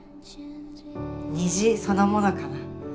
虹そのものかな。